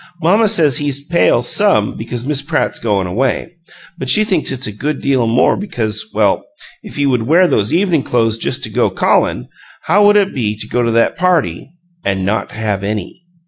Mamma says he's pale SOME because Miss Pratt's goin' away, but she thinks it's a good deal more because, well, if he would wear those evening clo'es just to go CALLIN', how would it be to go to that PARTY an' not have any!